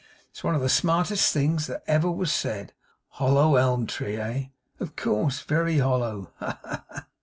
It's one of the smartest things that ever was said. Hollow ELM tree, eh? of course. Very hollow. Ha, ha, ha!